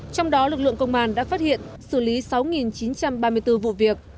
trong đó lực lượng công an đã phát hiện xử lý sáu chín trăm ba mươi bốn vụ việc